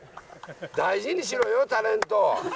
大事にしろよタレント。